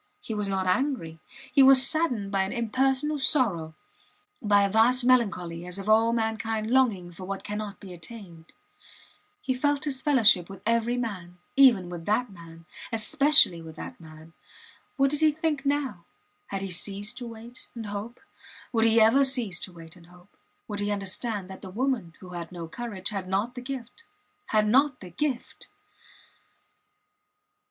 He was not angry. He was saddened by an impersonal sorrow, by a vast melancholy as of all mankind longing for what cannot be attained. He felt his fellowship with every man even with that man especially with that man. What did he think now? Had he ceased to wait and hope? Would he ever cease to wait and hope? Would he understand that the woman, who had no courage, had not the gift had not the gift!